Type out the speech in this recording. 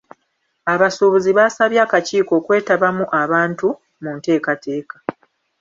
Abasuubuzi baasabye akakiiko okwetabamu abantu mu nteekateeka.